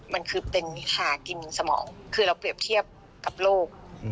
มันคือเป็นคากินสมองคือเราเปรียบเทียบกับโรค